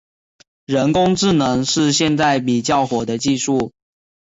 人工智能是现在比较火的技术。